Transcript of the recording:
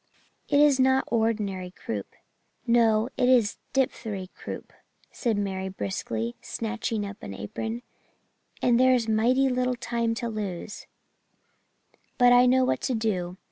'It is not ordinary croup.' "'No, it's the dipthery croup,' said Mary briskly, snatching up an apron. 'And there's mighty little time to lose but I know what to do.